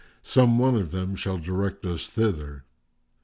some one of them shall direct us thither."